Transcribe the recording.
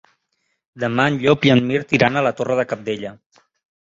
Demà en Llop i en Mirt iran a la Torre de Cabdella.